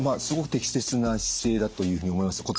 すごく適切な姿勢だというふうに思います。